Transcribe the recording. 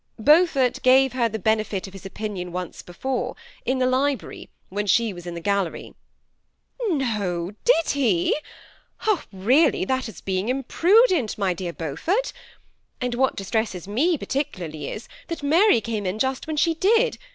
*^ Beaufort gave her the benefit of his opinion once before, in the library, when she was in the gallery." " No, did he ? Really that is being imprudent, my dear Beaufort ; and what distresses me particularly is, that Mary came in just when she did.